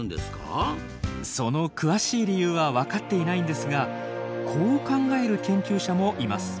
その詳しい理由は分かっていないんですがこう考える研究者もいます。